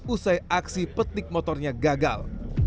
usai aksi petik motornya gagal